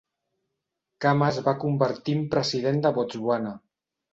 Khama es va convertir en president de Botswana.